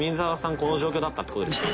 この状況だったって事ですね」